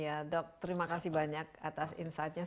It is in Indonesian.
iya dok terima kasih banyak atas insight nya